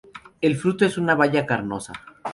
El fruto es una baya carnosa.